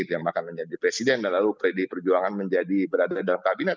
yang akan menjadi presiden lalu pdi perjuangan menjadi berada dalam kabinet